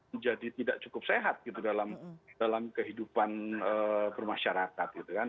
menjadi tidak cukup sehat gitu dalam kehidupan bermasyarakat gitu kan